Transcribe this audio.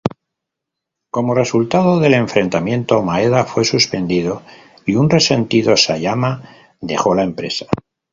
Como resultado del enfrentamiento, Maeda fue suspendido, y un resentido Sayama dejó la empresa.